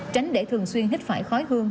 tránh để thường xuyên hít phải khói hương